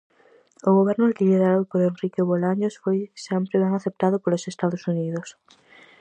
O goberno liderado por Enrique Bolaños foi sempre ben aceptado polos Estados Unidos.